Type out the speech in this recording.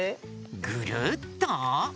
ぐるっと？